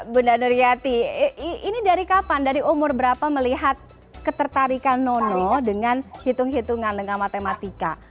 bunda nuriati ini dari kapan dari umur berapa melihat ketertarikan nono dengan hitung hitungan dengan matematika